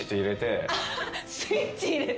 スイッチ入れて？